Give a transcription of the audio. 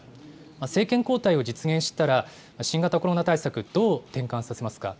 政権交代を実現したら、新型コロナ対策、どう転換させますか。